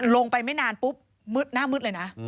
ลงไปไม่นานปุ๊บหน้ามืดเลยนะ